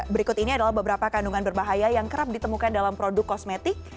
berikut ini adalah beberapa kandungan berbahaya yang kerap ditemukan dalam produk kosmetik